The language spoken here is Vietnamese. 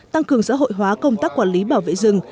tăng cường xã hội hóa công tác quản lý bảo vệ rừng